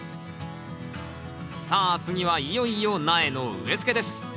さあ次はいよいよ苗の植えつけです